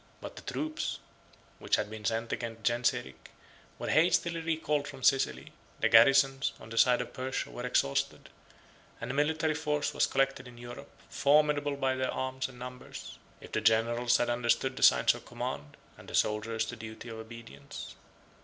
But the troops, which had been sent against Genseric, were hastily recalled from Sicily; the garrisons, on the side of Persia, were exhausted; and a military force was collected in Europe, formidable by their arms and numbers, if the generals had understood the science of command, and the soldiers the duty of obedience.